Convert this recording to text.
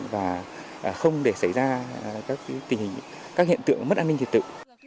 và không để xảy ra các hiện tượng mất an ninh trật tự